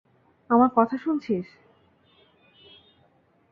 আমার কথা শুনছিস?